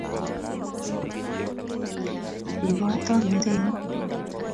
Ribota kimnateng'ung'